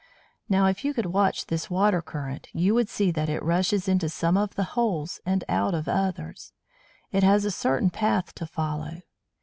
Now, if you could watch this water current, you would see that it rushes into some of the holes, and out of others; it has a certain path to follow.